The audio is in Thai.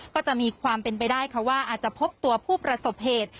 ก็จะมีความเป็นไปได้ค่ะว่าอาจจะพบตัวผู้ประสบเหตุ